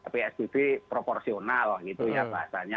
psbb proporsional gitu ya bahasanya